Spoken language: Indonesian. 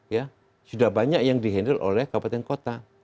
ya sudah banyak yang di handle oleh kabupaten kota